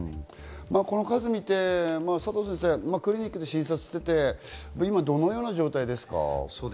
この数を見て、クリニックで診察していて、どのような状況ですか？